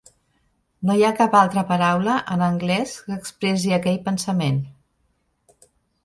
No hi ha cap altra paraula en anglès que expressi aquell pensament.